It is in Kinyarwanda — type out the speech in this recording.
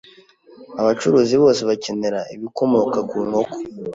abacuruzi bose bakenera ibikomoka ku nkoko